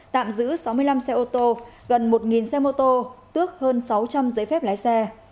tạm giữ sáu mươi năm xe ô tô gần một xe mô tô tước hơn sáu trăm linh giấy phép lái xe